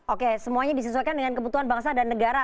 oke semuanya disesuaikan dengan kebutuhan bangsa dan negara